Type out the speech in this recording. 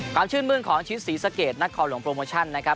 ความชื่นมื้นของชีวิตศรีสะเกดนักคอหลวงโปรโมชั่นนะครับ